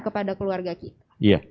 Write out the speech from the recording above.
kepada keluarga kita